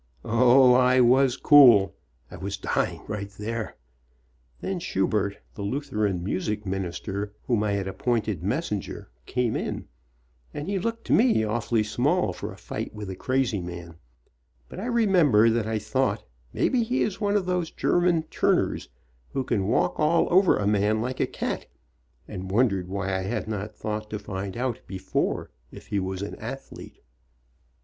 Oh, I was cool ! I was dying right there ! Then Schubert, the Luth eran music teacher, whom I had appointed messen WHEN DAD WAS SCARED 31 ger, came in, and he looked to me awfully small for a fight with a crazy man, but I remember that I thought maybe he is one of these German Turners, who can walk all over a man like a cat, and wondered why I had not thought to find out before if he was an ath lete.